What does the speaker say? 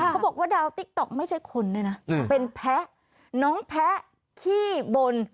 บอกว่าดาวติ๊กต๊อกไม่ใช่คนด้วยนะเป็นแพ้น้องแพะขี้บน